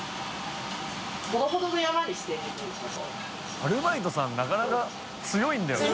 アルバイトさんなかなか強いんだよね。